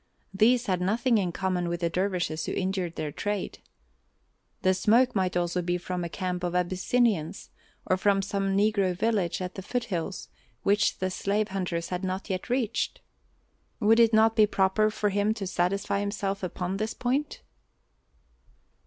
These had nothing in common with the dervishes who injured their trade. The smoke might also be from a camp of Abyssinians or from some negro village at the foot hills which the slave hunters had not yet reached. Would it not be proper for him to satisfy himself upon this point?